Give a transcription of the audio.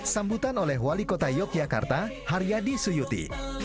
sambutan oleh wali kota yogyakarta haryadi suyuti